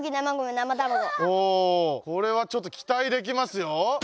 おこれはちょっと期待できますよ。